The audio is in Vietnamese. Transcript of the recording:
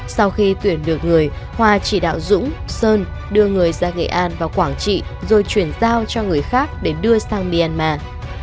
sau khi tuyển được người hòa chỉ đạo dũng sơn đưa người ra nghệ an vào quảng trị rồi chuyển giao cho người khác để đưa sang myanmar